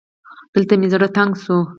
دلته مې زړه تنګ شو